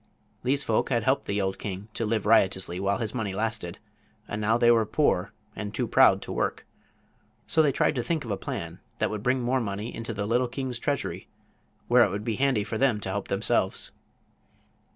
These folk had helped the old king to live riotously while his money lasted, and now they were poor and too proud to work. So they tried to think of a plan that would bring more money into the little king's treasury, where it would be handy for them to help themselves.